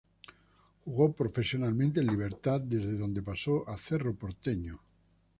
Jugó profesionalmente en Libertad desde dónde pasó a Cerro Porteño.